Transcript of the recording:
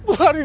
buah hari ya